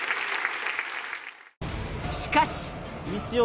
しかし。